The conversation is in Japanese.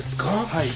はい。